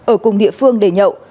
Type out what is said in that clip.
ở cùng địa phương để nhậu